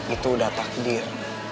itu udah takdir